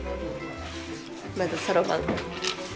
まずそろばん。